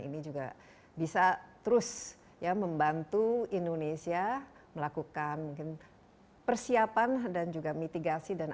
ini juga bisa terus ya membantu indonesia melakukan mungkin persiapan dan juga mitigasi dan